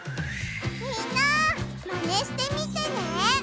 みんなマネしてみてね！